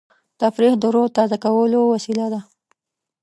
تفریح د روح د تازه کولو وسیله ده.